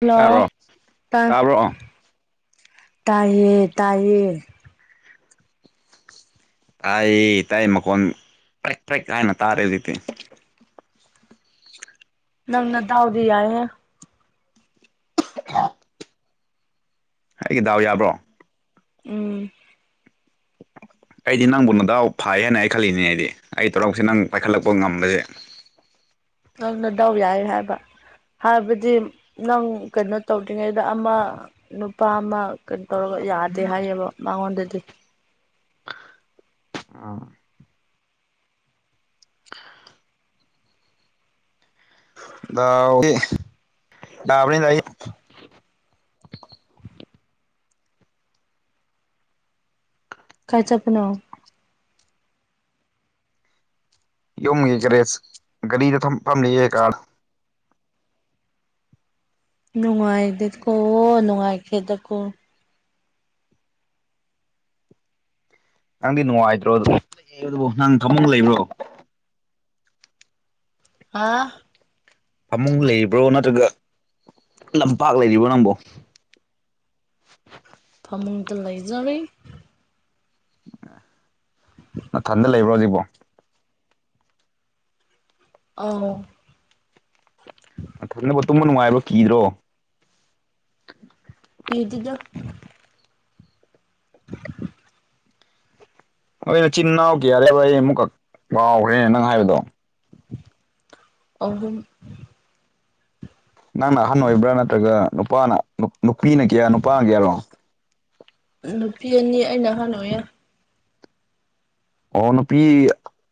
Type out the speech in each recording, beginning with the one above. Hello ꯇꯥꯕ꯭ꯔꯣ ꯇꯥꯏ ꯇꯥꯕ꯭ꯔꯣ ꯇꯥꯏꯌꯦ ꯇꯥꯏꯌꯦ ꯑꯩꯥꯏ ꯇꯥꯏ ꯃꯈꯣꯟ ꯐ꯭ꯔꯦꯛ ꯐ꯭ꯔꯦꯛ ꯀꯥꯏꯅ ꯇꯥꯔꯦ ꯂꯤꯇꯦ ꯁ ꯅꯪꯅꯗꯥꯎꯗ ꯌꯥꯦ ꯑꯩꯒꯤ ꯗꯥꯎ ꯌꯥꯕ꯭ꯔꯣ ꯎꯝ ꯑꯩꯗꯤ ꯅꯪꯕꯨ ꯅꯗꯥꯎ ꯐꯥꯏ ꯍꯥꯏꯅ ꯑꯩ ꯈꯜꯂꯤꯅꯤꯅꯦ ꯑꯩꯗꯤ ꯑꯩ ꯇꯔꯛꯁꯦ ꯅꯪ ꯄꯥꯏꯈꯠꯂꯛꯄ ꯉꯝꯕꯁꯦ ꯅꯪꯅꯗꯥꯧ ꯌꯥꯏ ꯍꯥꯏꯕ ꯍꯥꯏꯕꯗꯤ ꯅꯪ ꯀꯩꯅꯣ ꯇꯧꯗ꯭ꯔꯤꯉꯩꯗ ꯑꯃ ꯅꯨꯄꯥ ꯑꯃ ꯀꯩꯅꯣ ꯇꯧꯔꯒ ꯌꯥꯗꯦ ꯍꯥꯏꯌꯦꯕ ꯃꯉꯣꯟꯗꯗꯤ ꯑꯥ [unintelligible] ꯗꯕꯅꯤ ꯇꯏ ꯀ ꯆꯄꯅꯣ ꯌꯣꯒꯤꯦ ꯦꯔꯦꯁ ꯒꯥꯔꯤꯗ ꯐꯝꯂꯤꯑꯦ ꯀꯥꯔ ꯅꯨꯡꯉꯥꯏꯗꯦꯀꯣ ꯅꯨꯡꯉꯥꯏꯈꯤꯦꯗꯀꯣ ꯅꯪꯗꯤ ꯅꯨꯡꯉꯥꯏꯇ꯭ꯔꯣ ꯑꯗꯨ ꯑꯗꯨꯕꯨ ꯅꯪ ꯊꯃ ꯂꯩꯕ꯭ꯔꯣ ꯍꯥꯥ ꯐꯃꯨꯡ ꯂꯩꯔꯤꯕ꯭ꯔꯣ ꯅꯠꯇ꯭ꯔꯒ ꯂꯝꯄꯥꯛ ꯂꯩꯔꯤꯕ꯭ꯔꯣ ꯅꯪꯕꯨꯣ ꯐꯃꯨꯡꯗ ꯂꯩꯖꯔ ꯅꯊꯟꯗ ꯂꯩꯕ꯭ꯔꯣ ꯍꯧꯖꯤꯛꯕꯣ ꯑꯧ ꯅꯊꯟꯊ ꯇꯨꯝꯕ ꯅꯨꯡꯉꯥꯏꯕ꯭ꯔ ꯀꯤꯗ꯭ꯔꯣ? ꯀꯤꯗꯦ ꯗ ꯅꯣꯏ ꯅꯆꯤꯟ ꯏꯅꯥꯎ ꯀꯌꯥꯅꯦꯕ ꯑꯩ ꯑꯃꯨꯛꯀ ꯀꯥꯎꯈ꯭ꯔꯦ ꯅꯪ ꯍꯥꯏꯕꯗꯣ? ꯑꯍꯨꯝ ꯅꯪꯅ ꯑꯍꯟ ꯑꯣꯏꯕ꯭ꯔꯥ ꯅꯠꯇ꯭ꯔꯒ ꯅꯨꯄꯥꯅ ꯅꯨꯄꯤꯅ ꯀꯌꯥ ꯅꯨꯄꯥꯅ ꯀꯌꯥꯔꯣ? ꯅꯨꯄꯤ ꯑꯅꯤ ꯑꯩꯅ ꯑꯍꯟ ꯑꯣꯏꯌꯦ꯫ ꯑꯣ ꯅꯨꯄꯤ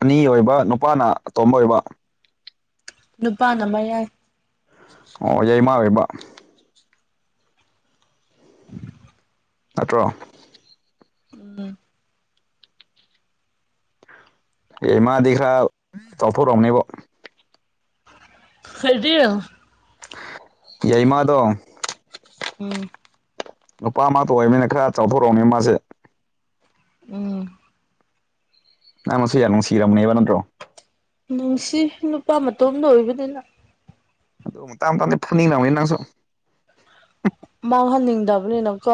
ꯑꯅꯤ ꯑꯣꯏꯕ ꯅꯨꯄꯥꯅ ꯑꯇꯣꯝꯕ ꯑꯣꯏꯕ꯫ ꯅꯨꯄꯥꯅ ꯃ ꯌꯥꯏ ꯑꯣ ꯌꯥꯏꯃꯥ ꯑꯣꯏꯕ ꯅꯠꯇ꯭ꯔꯣ? ꯎꯝ ꯑꯦ ꯃꯥꯗꯤ ꯈꯔ ꯆꯥꯎꯊꯣꯔꯝꯅꯤꯕꯣ [unintelligible] ꯌꯥꯏꯃꯥꯗꯣ ꯎꯝ ꯅꯨꯄꯥ ꯑꯃꯇ ꯑꯣꯏꯕꯃꯤꯅ ꯈꯔ ꯆꯥꯎꯊꯣꯔꯛꯑꯃꯤ ꯃꯥꯁꯤ꯫ ꯎꯝ ꯅꯪꯅꯁꯨ ꯌꯥꯝ ꯅꯨꯡꯁꯤꯔꯕꯅꯦꯕ ꯅꯠꯇ꯭ꯔꯣ꯫ ꯅꯨꯡꯁꯤ ꯅꯨꯄꯥ ꯃꯇꯣꯝꯗ ꯑꯣꯏꯕꯅꯤꯅ꯫ ꯑꯗꯨ ꯃꯇꯥꯡ ꯃꯇꯥꯡꯗꯤ ꯐꯅꯤꯡꯉꯝꯅꯤ ꯅꯪꯁꯨ ꯃꯥꯡꯍꯟꯅꯤꯡꯗꯕꯅꯤꯅꯀꯣ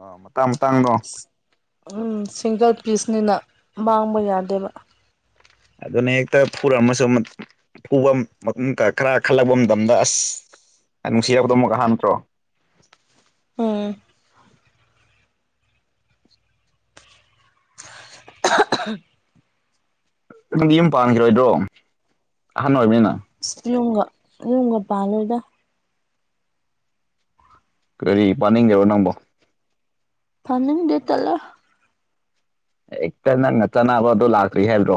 ꯑ ꯃꯇꯥꯡ ꯃꯇꯥꯡ ꯒꯣ ꯎꯝ ꯁꯤꯡꯒꯜ ꯄꯤꯁꯅꯤꯅ ꯃꯥꯡꯕ ꯌꯥꯗꯦꯕ꯫ ꯑꯗꯨꯅ ꯍꯦꯛꯇ ꯐꯨꯔꯝꯃꯁꯨ ꯃ ꯐꯨꯕ ꯃꯇꯨꯡ ꯈꯔ ꯈꯜꯂꯛꯄ ꯃꯇꯝꯗ ꯑꯁ ꯌꯥꯝ ꯅꯨꯡꯁꯤꯔꯕꯗꯧ ꯑꯃꯨꯝꯒ ꯍꯥ ꯅꯠꯇ꯭ꯔꯣ꯫ ꯎꯝ [unintelligible] ꯅꯪꯗꯤ ꯌꯨꯝ ꯄꯥꯟꯈꯤꯔꯣꯏꯗ꯭ꯔꯣ ꯑꯍꯟ ꯑꯣꯏꯕꯅꯤꯅ꯫ ꯌꯨꯝꯒ ꯌꯨꯝꯒ ꯄꯥꯜꯂꯣꯏꯗ꯫ ꯀꯔꯤ ꯄꯥꯅꯤꯡꯗꯦꯕ ꯅꯪꯕꯣ? ꯄꯥꯟꯅꯤꯡꯗꯦ ꯇꯜꯂꯦ ꯍꯦꯛꯇ ꯅꯪꯅ ꯆꯅꯥꯕ ꯗꯣ ꯂꯥꯛꯇ꯭ꯔꯤ ꯍꯥꯏꯕ꯭ꯔꯣ?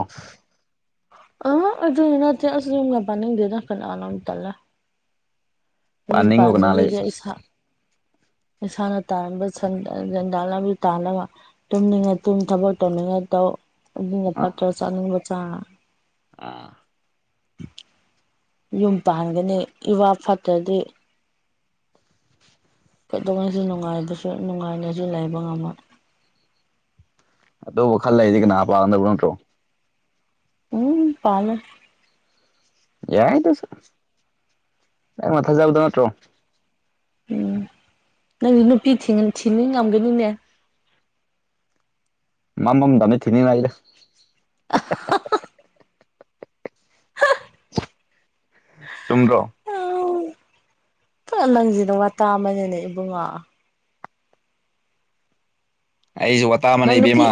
ꯑꯩ ꯑꯗꯨꯒꯤ ꯅꯠꯇꯦ ꯑꯁ ꯌꯨꯝꯒ ꯄꯥꯟꯅꯤꯡꯗꯦꯗ ꯀꯅꯥꯅ ꯇꯜꯂꯦ꯫ ꯌꯨꯝ ꯄꯥꯅꯤꯡꯕ ꯀꯅꯥ ꯂꯩ ꯄꯥꯟꯗꯕꯤꯗ ꯏꯁꯥ ꯏꯁꯥꯅ ꯇꯥꯔꯝꯕ ꯁꯟꯗꯥꯅ ꯁꯦꯟꯗꯥꯟ ꯂꯝꯕꯤ ꯇꯥꯅꯕ ꯇꯨꯝꯅꯤꯡꯉꯥꯏ ꯇꯨꯝ ꯊꯕꯛ ꯇꯧꯅꯤꯡꯉꯥꯏ ꯇꯧ ꯑꯗꯨꯅ ꯑ ꯐꯠꯇ꯭ꯔ ꯆꯥꯅꯤꯡꯕ ꯆꯥ ꯑꯥ ꯌꯨꯝ ꯄꯥꯟꯒꯅꯤ ꯏꯋꯥ ꯐꯠꯇ꯭ꯔꯗꯤ ꯀꯩꯗꯧꯉꯩꯁꯨ ꯅꯨꯡꯉꯥꯏꯕꯁꯨ ꯅꯨꯡꯉꯥꯏꯅꯁꯨ ꯂꯩꯕ ꯉꯝꯃꯣꯏ꯫ ꯑꯗꯨꯕꯨ ꯈꯜ ꯂꯩꯗꯤ ꯀꯅꯥꯄꯥꯒꯗꯕ ꯅꯠꯇ꯭ꯔꯣ ꯎꯝ ꯄꯥꯂꯣꯏ ꯌꯥꯏ ꯗꯨꯁꯨ ꯅꯪꯅ ꯊꯥꯖꯕꯗꯣ ꯅꯠꯇ꯭ꯔꯣ ꯎꯝ ꯅꯪꯗꯤ ꯅꯨꯄꯤ ꯊꯤꯅꯤꯡ ꯊꯤꯅꯤꯡꯉꯝꯒꯅꯤꯅꯦ꯫ ꯃꯥꯃꯝꯗꯃꯤ ꯊꯤꯅꯤꯉꯥꯏꯔꯦ ꯆꯨꯝꯗ꯭ꯔꯣ ꯑꯩ ꯅꯪꯒꯤꯖꯤꯗꯤ ꯋꯥꯇꯥ ꯑꯃꯅꯤꯅꯦ ꯏꯕꯨꯡꯉꯣ꯫ ꯑꯩꯖꯨ ꯋꯥ ꯅꯪ ꯅꯨꯄꯤ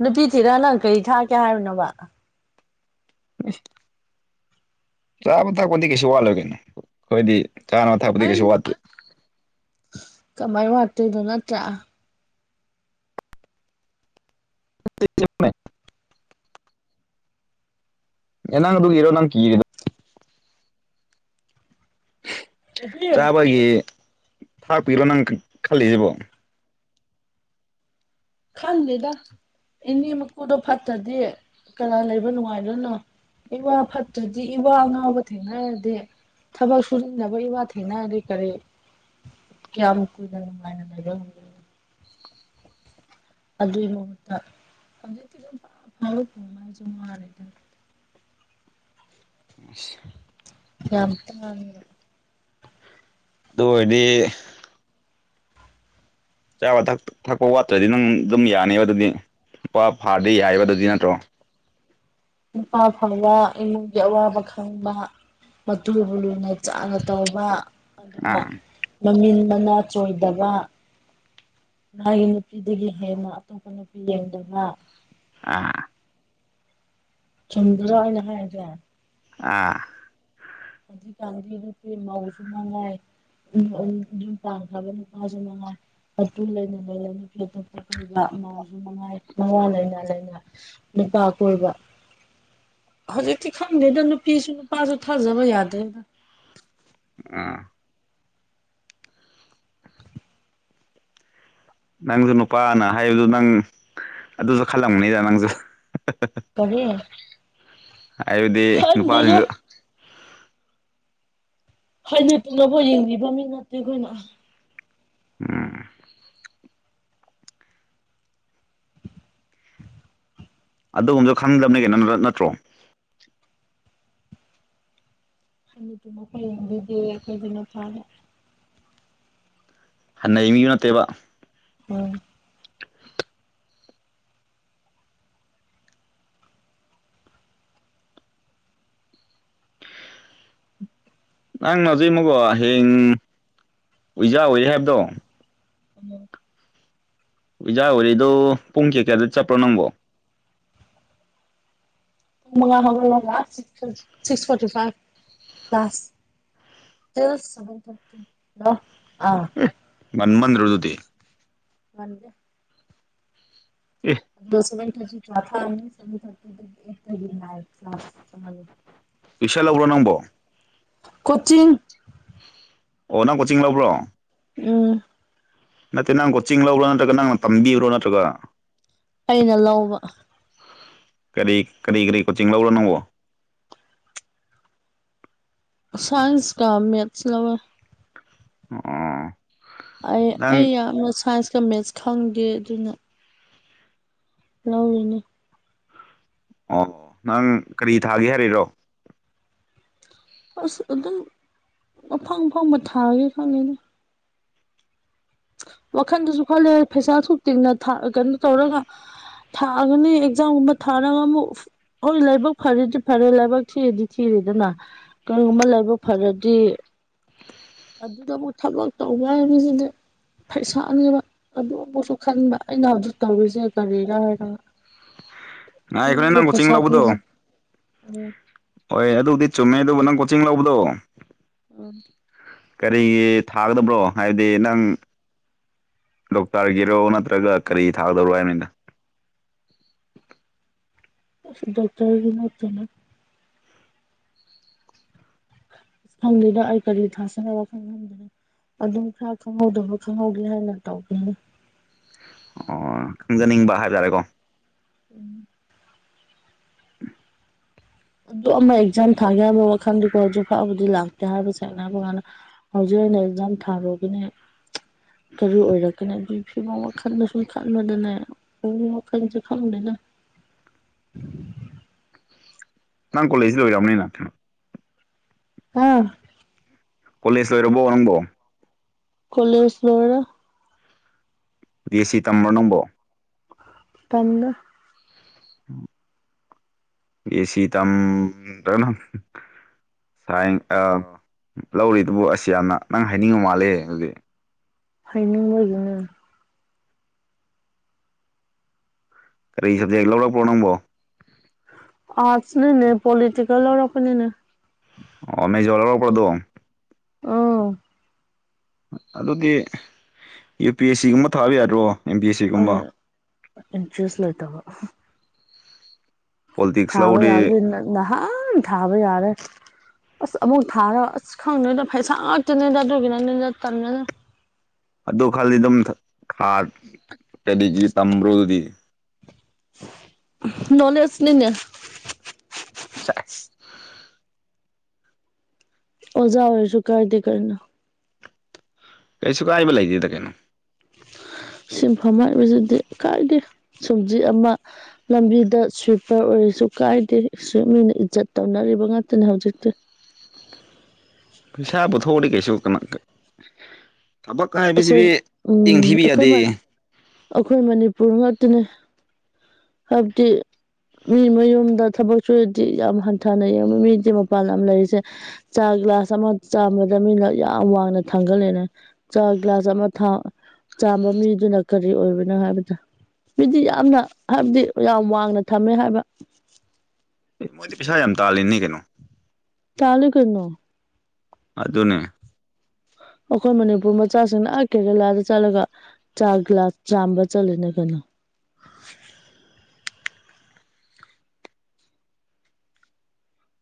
ꯅꯨꯄꯤ ꯊꯤꯔ ꯅꯪ ꯀꯔꯤ ꯊꯥꯛꯀꯦ ꯍꯥꯏꯕꯅꯣꯕ? [unintelligible] ꯆꯥꯕ ꯊꯛꯄꯗꯤ ꯀꯩꯁꯨ ꯋꯥꯠꯂꯣꯏ ꯀꯩꯅꯣ ꯑꯩꯈꯣꯏꯗꯤ ꯆꯥꯅꯕ ꯊꯛꯄꯗꯤ ꯀꯩꯁꯨ ꯋꯥꯠꯇꯦ ꯀꯃꯥꯏꯅ ꯋꯥꯠꯇꯣꯏꯅꯣ ꯅꯠꯇ꯭ꯔꯥ ꯆꯃꯦ [inaudible] ꯅꯪ ꯑꯗꯨꯒꯤꯔꯣ ꯅꯪ ꯀꯔꯤꯗꯣ ꯆꯥꯕꯒꯤ ꯊꯥꯛꯄꯤꯔꯣ ꯅꯪ ꯈꯜꯂꯤꯁꯤꯕꯣ ꯈꯪꯗꯦꯗ ꯏꯅꯦ ꯃꯄꯨꯗꯣ ꯐꯠꯇꯗꯤ ꯀꯅꯥ ꯂꯩꯕ ꯅꯨꯡꯉꯥꯏꯗꯣꯏꯅꯣ ꯏꯋꯥ ꯐꯠꯇ꯭ꯔꯗꯤ ꯏꯋꯥ ꯉꯥꯎꯕ ꯊꯦꯡꯅꯔꯗꯤ ꯊꯕꯛ ꯁꯨꯨꯅꯤꯡꯗꯕ ꯏꯋꯥ ꯊꯦꯡꯅꯔꯗꯤ ꯑꯗꯨ ꯀꯔꯤ ꯀꯌꯥꯝ ꯀꯨꯢꯅ ꯅꯨꯡꯃꯥꯏꯅ ꯂꯩꯗꯣꯢꯅꯣ ꯑꯗꯨꯏ ꯃꯍꯨꯠꯇ ꯍꯧꯖꯤꯛꯇꯤ ꯑꯗꯨꯝ ꯐꯥꯎꯔꯛꯄꯉꯁꯨ ꯃꯥꯔꯦꯗ [inaudible] ꯑ [inaudible] ꯌꯥꯝ ꯇꯥꯡꯉꯦꯕ ꯑꯗꯨ ꯑꯣꯏꯔꯗꯤ ꯆꯥꯕ ꯊꯛ ꯊꯛꯄ ꯋꯥꯠꯇ꯭ꯔꯗꯤ ꯅꯪ ꯑꯗꯨꯝ ꯌꯥꯅꯦꯕ ꯑꯗꯨꯗꯤ ꯂꯨꯄꯥ ꯐꯥꯔꯗꯤ ꯌꯥꯏꯕ ꯑꯗꯨꯗꯤ ꯅꯠꯇ꯭ꯔꯣ ꯅꯨꯄꯥ ꯐꯥꯕ ꯏꯃꯨꯡꯒꯤ ꯑꯋꯥꯕ ꯈꯪꯕ ꯃꯇꯨꯕꯨ ꯂꯨꯅꯗ ꯆꯥꯅ ꯇꯧꯕ ꯑꯥ ꯑꯗꯨꯒ ꯃꯃꯤꯜ ꯃꯅꯥ ꯆꯣꯏꯗꯕ ꯃꯥꯒꯤ ꯅꯨꯄꯤꯗꯒꯤ ꯍꯦꯟꯅ ꯑꯇꯣꯞꯄ ꯅꯨꯄꯤ ꯌꯦꯡꯗꯕ ꯑꯥ ꯆꯨꯝꯗ꯭ꯔ ꯑꯩꯅ ꯍꯥꯢꯁꯦ ꯑꯥ ꯍꯧꯖꯤꯛ ꯀꯥꯟꯗꯤ ꯃꯧꯁꯨ ꯃꯉꯥꯏ ꯌꯨꯝ ꯄꯟꯈ꯭ꯔꯕ ꯅꯨꯄꯥꯁꯨ ꯃꯅꯨꯡꯉꯥꯏ ꯑꯗꯨ ꯂꯩꯅ ꯂꯩꯅ ꯅꯨꯄꯤ ꯑꯗꯨ ꯀꯣꯏꯕ ꯃꯥꯎꯁꯨ ꯃꯉꯥꯏ ꯃꯋꯥ ꯂꯩꯥꯏꯅꯥ ꯂꯥꯏꯅꯥ ꯅꯨꯄꯥ ꯀꯣꯏꯕ ꯍꯧꯖꯤꯛꯇꯤ ꯈꯪꯗꯦꯗ ꯅꯨꯄꯤꯁꯨ ꯅꯨꯄꯥꯁꯨ ꯊꯥꯖꯕ ꯌꯥꯗꯦꯗ ꯑꯥ ꯅꯪꯁꯨ ꯅꯨꯄꯥꯅ ꯍꯥꯏꯕꯗꯨ ꯅꯪ ꯑꯗꯨꯁꯨ ꯈꯜꯂꯝꯒꯅꯤꯗ ꯅꯪꯁꯨ ꯀꯔꯤ ꯍꯥꯏꯕꯗꯤ ꯈꯪꯗꯦꯗ ꯅꯨꯄꯥꯁꯤꯡꯗꯨ ꯍꯩꯅ ꯇꯨꯅꯐꯥꯎ ꯌꯦꯡꯕꯤꯕ ꯃꯤ ꯅꯠꯇꯦ ꯑꯩꯈꯣꯏꯅ ꯎꯝ ꯑꯗꯨꯒꯨꯝꯕꯁꯨ ꯈꯪꯗꯕꯒꯤ ꯀꯩꯅꯣ ꯅꯠꯇ꯭ꯔꯣ ꯍꯥꯟꯅꯥ ꯇꯨꯅꯐꯥꯎ ꯌꯦꯡꯕꯤꯗꯦ ꯑꯩꯈꯣꯗꯤ ꯅꯨꯄꯥ ꯍꯟꯅ ꯌꯦꯡꯕꯤ ꯅꯠꯇꯦꯕ ꯍꯣꯢ ꯅꯪ ꯍꯧꯖꯤꯛ ꯍꯌꯦꯡ ꯑꯣꯏꯖꯥ ꯑꯣꯏ ꯍꯥꯏꯕꯗꯣ ꯎꯝ ꯑꯣꯖꯥ ꯑꯣꯢꯔꯦꯗꯣ ꯄꯨꯡ ꯀꯌꯥꯀꯌꯥꯗ ꯆꯠꯄ꯭ꯔꯣ ꯅꯪꯕꯣ ꯄꯨꯡ ꯃꯉꯥ ꯍꯧꯒꯠꯂꯒ ꯁꯤꯛꯁ ꯐꯣꯔꯔꯇꯤ ꯐꯥꯏꯚ ꯀ꯭ꯂꯥꯁ ꯂ ꯑ [inaudible] ꯉꯥꯟ ꯃꯟꯗꯔꯣ ꯑꯗꯨꯗꯤ ꯉꯥꯟꯗꯦ ꯑꯦ ꯑꯗꯨ ꯊꯔ ꯆꯣꯊꯥ ꯑꯃꯅꯤ ꯇꯨꯏꯁꯟ ꯊ ꯂꯧꯕ꯭ꯔꯣ ꯅꯪꯕꯣ [inaudible] ꯀꯣꯆꯤꯡ ꯑꯣ ꯅꯪ ꯀꯣꯆꯤꯡ ꯂꯧꯕ꯭ꯔꯣ ꯎꯝ ꯅꯠꯇꯦ ꯅꯪ ꯀꯣꯆꯤꯡ ꯂꯔꯣ ꯅꯠꯇ꯭ꯔꯒ ꯅꯪꯅ ꯇꯝꯕꯤꯕ꯭ꯔꯣ ꯅꯠꯇ꯭ꯔꯒ ꯑꯩꯅ ꯂꯧꯕ ꯀꯔꯤ ꯀꯔꯤ ꯀꯔꯤ ꯀꯣꯆꯤꯡ ꯂꯧꯕꯔ ꯅꯪꯕꯣ ꯁꯥꯏꯟꯁ ꯀꯥ ꯃꯦꯠꯁ ꯂꯧꯋꯦ ꯑꯣ ꯑꯩ ꯅꯪ ꯑꯩ ꯌꯥꯝꯅ ꯁꯥꯏꯟꯁꯀ ꯃꯦꯠꯁ ꯈꯪꯗꯦ ꯑꯗꯨꯅ ꯂꯧꯔꯤꯅꯤ ꯑꯣ ꯅꯪ ꯀꯔꯤ ꯊꯥꯒꯦ ꯍꯥꯏꯔꯤꯔꯣ ꯑꯁ ꯑꯗꯨꯝ ꯑꯐꯪ ꯑꯐꯪꯕ ꯊꯥꯒꯦ ꯈꯟꯂꯤꯅꯤ ꯋꯥꯈꯟꯗꯁꯨ ꯈꯜꯂꯦ ꯄꯩꯁꯥꯁꯨ ꯇꯤꯡꯅ ꯀꯩꯅꯣ ꯇꯧꯔꯒ ꯊꯥꯒꯅꯤ ꯑꯦꯛꯖꯥꯝꯒꯨꯝꯕ ꯊꯥꯔꯒ ꯑꯃꯨꯛ ꯍꯣꯏ ꯂꯥꯏꯕꯛ ꯐꯔꯦꯗꯤ ꯐꯔꯦ ꯂꯥꯏꯕꯛ ꯊꯤꯔꯗꯤ ꯊꯤꯔꯦꯗꯅ ꯀꯔꯤꯒꯨꯝꯕ ꯂꯥꯏꯕꯛ ꯐꯔꯗꯤ ꯑꯗꯨꯗꯕꯨ ꯊꯕꯛ ꯇꯧꯉꯥꯏ ꯃꯤꯁꯤꯗꯤ ꯄꯩꯁꯥꯅꯦꯕ ꯑꯗꯨ ꯑꯃꯨꯛꯁꯨ ꯈꯟꯕ ꯑꯩꯅ ꯍꯧꯖꯤꯛ ꯇꯧꯔꯤꯁꯦ ꯀꯥꯔꯤꯔ ꯍꯥꯏꯅ [inaudible] ꯉꯥꯏꯕꯥꯔ ꯅꯪꯕꯨ ꯆꯤꯡ ꯂꯧꯕꯗꯣ ꯎꯝ ꯍꯣꯏ ꯑꯗꯨꯕꯨꯗꯤ ꯆꯨꯝꯃꯦ ꯑꯗꯨꯕꯨ ꯅꯪ ꯆꯤꯡ ꯂꯧꯕꯗꯣ ꯎꯝ ꯀꯔꯤꯒꯤ ꯊꯥꯒꯗꯕ꯭ꯔꯣ ꯍꯥꯏꯕꯗꯤ ꯅꯪ ꯗꯣꯛꯇꯔꯒꯤꯔꯣ ꯅꯠꯇ꯭ꯔꯒ ꯀꯔꯤ ꯊꯥꯒꯗꯧꯔꯣ ꯍꯥꯏꯕꯅꯤꯅ ꯗꯣꯛꯇꯔꯒꯤ ꯅꯠꯇꯦꯅ ꯐꯪꯗꯣꯏꯗ ꯑꯩ ꯀꯔꯤ ꯊꯥꯥꯁꯅ ꯐꯝꯗꯔꯦ ꯑꯗꯨꯝ ꯈꯔ ꯈꯪꯍꯧꯗꯕ ꯈꯪꯍꯧꯗꯦ ꯍꯥꯏꯅ ꯇꯧꯕꯒꯅꯤ ꯑꯣ ꯈꯪꯖꯅꯤꯡꯕ ꯍꯥꯏꯇꯥꯔꯦꯀꯣ ꯎꯝ ꯑꯗꯨ ꯑꯃ ꯏꯆꯥꯦꯝ ꯊꯥꯒꯦ ꯍꯥꯏꯕ ꯋꯥꯈꯜꯗꯤꯀꯣ ꯍꯧꯖꯤꯛ ꯐꯕꯨꯗꯤ ꯂꯥꯛꯇꯦ ꯍꯥꯏꯕꯁꯦꯡꯅ ꯍꯥꯏꯕ ꯀꯥꯟꯗ ꯍꯧꯖꯤꯛ ꯑꯣꯏꯅ ꯑꯦꯛꯖꯥꯝ ꯊꯥꯔꯨꯒꯅꯦ ꯀꯔꯤ ꯑꯣꯏꯔꯛꯀꯅꯤ ꯑꯗꯨꯒꯤ ꯐꯤꯕꯝ ꯈꯜꯗꯁꯨ ꯈꯜꯕꯗꯅꯦ ꯑꯣ ꯋꯥꯈꯟꯁꯤ ꯈꯪꯗꯦꯗ ꯅꯪ ꯀꯣꯂꯖꯇꯤꯗ ꯂꯣꯏꯔꯕꯅꯤꯅ ꯀꯩꯅꯣ ꯑꯥ ꯀꯣꯂꯦꯖ ꯂꯣꯏꯔꯕꯣ ꯅꯪꯕꯣ ꯀꯣꯂꯦ ꯂꯣꯏꯔꯦ ꯗꯤ ꯑꯦ ꯁꯤ ꯇꯝꯕ꯭ꯔꯣ ꯅꯪꯕꯣ ꯇꯝꯃꯦ ꯕꯤ ꯑꯦ ꯁꯤ ꯇꯝꯗꯔꯅꯪ ꯁꯥꯏ ꯑꯃꯥ ꯂꯧꯔꯤꯗꯨꯕꯨ ꯑꯁ ꯌꯥꯝꯅ ꯅꯪ ꯍꯥꯏꯅꯤꯡ ꯃꯥꯂꯦ ꯍꯧꯖꯤꯡ ꯍꯥꯏꯅꯤꯡꯕ ꯑꯣꯏꯕꯅꯦ ꯀꯔꯤ ꯁꯕꯖꯦꯛ ꯂꯧꯔꯛꯄ꯭ꯔꯣ ꯅꯪꯕꯣ ꯑꯔꯠꯁꯅꯦ ꯄꯣꯂꯤꯇꯤꯦꯜ ꯂꯩꯔꯛ ꯄꯅꯦ ꯑꯣ ꯃꯦꯖꯔꯂꯔꯔꯗꯣ ꯎꯝ ꯑꯗꯨꯗꯤ ꯌꯨ ꯄꯤ ꯑꯦꯁ ꯁꯤꯒꯨꯝꯕ ꯊꯥꯕ ꯌꯥꯗ꯭ꯔꯣ ꯑꯦꯝ ꯄꯤ ꯑꯦꯁ ꯁꯤꯒꯨꯝꯕ ꯏꯟꯇꯔꯦꯁ ꯂꯩꯇꯕ ꯄꯣꯂꯤꯇꯤꯛꯁ ꯂꯧꯔꯗꯤ ꯊꯥꯕꯌꯥꯕꯗꯨ ꯅꯍꯥꯟꯅ ꯊꯥꯕꯌꯥꯔꯦ ꯑꯁ ꯑꯃꯨꯛ ꯊꯥꯔ ꯑꯁ ꯈꯪꯗꯣꯏꯗ ꯐꯩꯁꯥ ꯉꯥꯛꯇꯅꯤꯗ ꯑꯗꯨꯒꯤꯅꯦ ꯑꯗꯨꯅ ꯇꯟꯕꯅꯦ ꯑꯗꯨ ꯈꯜꯂꯤ ꯑꯗꯨꯝ ꯈꯔ ꯀꯗꯤꯁꯤ ꯇꯝꯕ꯭ꯔꯨꯗꯤ ꯅꯣꯂꯦꯖꯅꯤꯅꯦ ꯆ [inaudible] ꯑꯣꯖꯥ ꯑꯣꯏꯔꯁꯨ ꯀꯥꯏꯗꯦ ꯀꯩꯏꯅꯣ ꯀꯩꯁꯨ ꯀꯥꯏꯕ ꯂꯩꯇꯦꯗ ꯀꯩꯅꯣ ꯁꯤꯟꯐꯝ ꯍꯥꯏꯕꯁꯤꯗꯤ ꯀꯥꯏꯗ ꯁꯨꯝꯖꯤ ꯑꯃ ꯂꯝꯕꯤꯗ ꯁ꯭ꯋꯤꯞꯄꯔ ꯑꯣꯏꯔꯁꯨ ꯀꯥꯏꯗꯦ ꯁ꯭ꯋꯤꯞ ꯃꯤꯅ ꯏꯖꯠ ꯇꯧꯅꯔꯤꯕ ꯉꯥꯛꯇꯅꯦ ꯍꯧꯖꯤꯛꯇꯤ ꯄꯩꯁꯥ ꯄꯨꯊꯣꯛꯗꯤ ꯀꯩꯁꯨ ꯀꯃꯛ ꯊꯕꯛ ꯀ ꯥꯏꯗꯩ ꯑꯩꯈꯣꯏ ꯁꯤꯗꯤ ꯎꯝ ꯆꯤꯟꯊꯤꯕ ꯑꯩꯈꯣꯏ ꯌꯥꯗꯦ ꯑꯩꯈꯣꯏ ꯃꯅꯤꯄꯨꯔ ꯉꯥꯛꯇꯅꯦ ꯍꯥꯏꯕꯗꯤ ꯃꯤ ꯃꯌꯨꯝꯗ ꯊꯕꯛ ꯁꯨꯔꯗꯤ ꯌꯥꯝ ꯍꯟꯊꯅ ꯌꯦꯡꯕ ꯃꯤꯗꯤ ꯃꯄꯥꯟ ꯌꯥꯝ ꯂꯩꯔꯤꯁꯦ ꯆꯥ ꯒ꯭ꯂꯥꯁ ꯑꯃ ꯆꯥꯝꯕꯗ ꯃꯤꯅ ꯌꯥꯝ ꯋꯥꯡꯅ ꯊꯥꯡꯒꯠꯂꯅꯦ ꯆꯥ ꯒꯤꯒ꯭ꯂꯥꯁ ꯑꯃ ꯊ ꯆꯥꯝꯕ ꯃꯤꯗꯨꯅ ꯀꯔꯤ ꯑꯣꯏꯕꯅꯣ ꯍꯥꯏꯕꯗꫭ ꯃꯤꯗꯤ ꯌꯥꯝꯅ ꯍꯥꯏꯕꯗꯤ ꯌꯥꯝ ꯋꯥꯡꯅ ꯊꯝꯃꯦ ꯍꯥꯏꯕ ꯑꯦ ꯃꯣꯏꯗꯤ ꯄꯩꯁꯥ ꯌꯥꯝ ꯇꯥꯜꯂꯤꯅꯤ ꯀꯩꯅꯣ ꯇꯥꯟꯂꯤ ꯀꯩꯅꯣ ꯑꯗꯨꯅꯦ ꯑꯩꯈꯣꯏ ꯃꯅꯤꯄꯨꯔ ꯃꯆꯥꯁꯤꯡꯅ ꯑ ꯀꯦꯔꯦꯂꯥꯗ ꯆꯠꯂꯒ ꯆꯥ ꯒꯤ꯭ꯂꯥꯁ ꯆꯥꯝꯕ ꯆꯠꯂꯦꯅꯦ ꯀꯩꯅꯣ [unintelligible]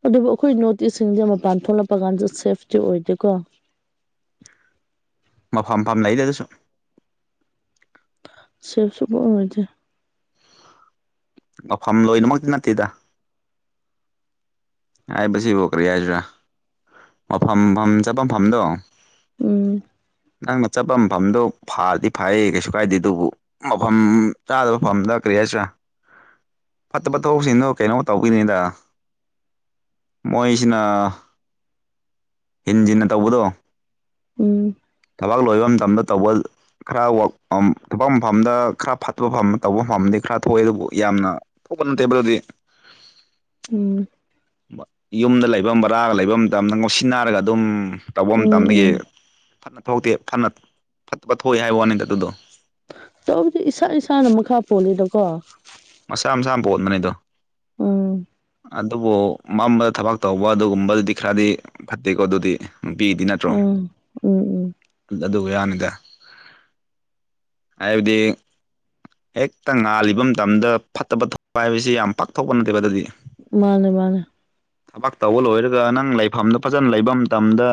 ꯑꯗꯨꯕꯨ ꯑꯩꯈꯣꯏ ꯅꯣꯔꯠ ꯏꯁꯁꯤꯡꯁꯦ ꯃꯄꯥꯟ ꯊꯣꯛꯂꯛꯄ ꯀꯥꯟꯗ ꯁꯦꯐꯇꯤ ꯑꯣꯏꯗꯦꯀꯣ ꯃꯐꯝ ꯃꯐꯝ ꯂꯩꯗ ꯑꯗꯨꯁꯨ ꯁꯦꯐ ꯁꯨꯡ ꯑꯣꯏ ꯑꫭꯏꯗꯦ ꯃꯐꯝ ꯂꯣꯏꯅꯃꯛꯇꯤ ꯅꯠꯇꯦꯗ ꯍꯥꯏꯕꯁꯤꯕꯨ ꯀꯔꯤ ꯍꯥꯏꯁꯤꯔꯥ ꯃꯐꯝꯐꯝ ꯆꯠꯄꯐꯝꯗꯣ ꯎꯝ ꯅꯪꯅ ꯆꯠꯄ ꯃꯐꯝꯗꯣ ꯐꯗꯤ ꯐꯩꯌꯦ ꯀꯩꯁꯨ ꯀꯥꯏꯗꯦ ꯑꯗꯨꯕꯨ ꯃꯐꯝ ꯆꯥꯗꯕ ꯃꯐꯝꯗ ꯀꯔꯤ ꯍꯥꯏꯁꯤꯔꯥ ꯐꯠꯇꯕ ꯊꯕꯣꯛꯁꯤꯡꯅꯣ ꯀꯩꯅꯣ ꯇꯧꯈꯤꯅꯤꯗ ꯃꯣꯏꯁꯤꯅ ꯍꯤꯟꯖꯤꯟꯅ ꯇꯧꯕꯗꯣ ꯎꯝ ꯊꯕꯛ ꯂꯣꯏꯕ ꯃꯇꯝꯗ ꯇꯧꯕ ꯈꯔ ꯋꯐꯝ ꯃ [unintelligible] ꯝꯗ ꯈꯔ ꯐꯠꯄꯐꯝ ꯇꯧꯕ ꯃꯐꯝꯗꯤ ꯈꯔ ꯊꯣꯛꯑꯦ ꯑꯗꯨꯕꯨ ꯌꯥꯝꯅ ꯊꯧꯕ [unintelligible] ꯅꯠꯇ‌ꯦꯕ ꯑꯗꯨꯗꯤ ꯎꯝ ꯌꯨꯝꯗ ꯂꯩꯕ ꯕꯔꯥꯒ ꯂꯩꯕ ꯃꯇꯝꯗ ꯉꯧꯁꯤꯟꯅꯅꯥꯔꯒ ꯑꯗꯨꯝ ꯇꯧꯕ ꯎꯝ ꯃꯇꯝꯗꯒꯤ ꯎꯝ ꯐꯅ ꯊꯣꯛꯇꯦ ꯐꯅ ꯐꯠꯇꯕ ꯊꯣꯛꯑꯦ ꯍꯥꯏꯕ ꯋꯥꯅꯤꯗ ꯑꯗꯨꯗꯣ ꯑꯗꯨꯗꯤ ꯏꯁꯥ ꯏꯁꯥꯅ ꯃꯈꯥ ꯄꯣꯜꯂꯤꯗꯀꯣ ꯃꯁꯥ ꯃꯁꯥꯅ ꯄꯣꯟꯕꯅ‌ꯦ ꯑꯗꯣ ꯎꯝ ꯑꯗꯨꯕꯨ ꯃꯝꯕꯗ ꯊꯕꯛ ꯇꯧꯕ ꯑꯗꯨꯒꯨꯝꯕꯗꯨꯗꯤ ꯈꯔꯗꯤ ꯐꯠꯇꯦꯀꯣ ꯑꯗꯨꯗꯤ ꯅꯨꯄꯤꯗꯤ ꯅꯠꯇ꯭ꯔꯣ ꯎꯝ ꯎꯝ ꯎꯝ ꯑꯗꯨꯒ ꯌꯥꯅꯤꯗ ꯍꯥꯏꯕꯗꯤ ꯍꯦꯛꯇ ꯉꯥꯜꯂꯤꯕ ꯃꯇꯝꯗ ꯐꯠꯇꯕ ꯇꯧꯕ ꯍꯥꯏꯕꯁꯤ ꯌꯥꯝ ꯄꯥꯛꯊꯣꯛꯄ ꯅꯠꯇꯦꯕ ꯑꯗꯨꯗꯤ ꯃꯥꯅꯦ ꯃꯥꯅꯦ ꯊꯕꯛ ꯇꯧꯕ ꯂꯣꯏꯔꯒ ꯅꯪ ꯂꯩꯐꯝꯗꯣ ꯐꯖꯅ ꯂꯩꯕ ꯃꯇꯝꯗ